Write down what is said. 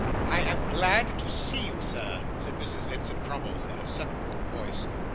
'I am glad to see you, sir,' said Mrs. Vincent Crummles, in a sepulchral voice.